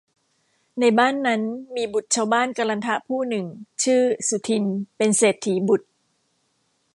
ในบ้านนั้นมีบุตรชาวบ้านกลันทะผู้หนึ่ง ชื่อ สุทินน์ เป็นเศรษฐีบุตร